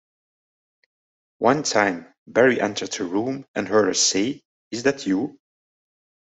One time, Barrie entered her room and heard her say, Is that you?